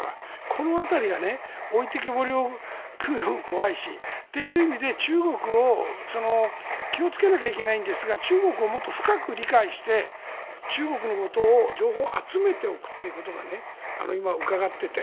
この辺りが置いてけぼりを食うのも怖いしそういう意味で中国を気をつけなきゃいけないんですが中国をもっと深く理解して中国のことを情報を集めておくということが今、伺っていて。